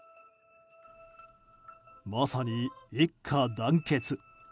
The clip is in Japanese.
まさに一家団結。